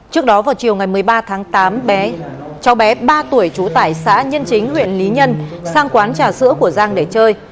trước đó vào chiều ngày một mươi ba tháng tám bé cháu bé ba tuổi trú tại xã nhân chính huyện lý nhân sang quán trà sữa của giang để chơi